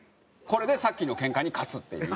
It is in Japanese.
これでさっきのケンカに勝つっていう。